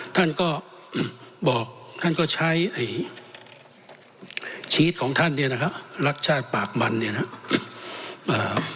ท่านก็บอกท่านก็ใช้ไอ้ชีสของท่านเนี่ยนะครับรักชาติปากมันเนี่ยนะครับ